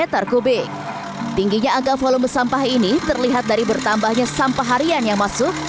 tingginya angka volume sampah ini terlihat dari bertambahnya sampah harian yang masuk